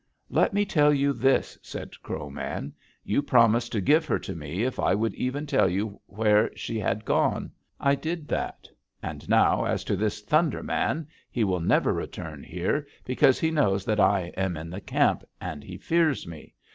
"'Let me tell you this,' said Crow Man: 'You promised to give her to me if I would even tell you where she had gone. I did that. And now, as to this Thunder Man, he will never return here because he knows that I am in the camp, and he fears me.